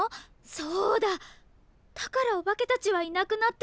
そうだだからお化けたちはいなくなって。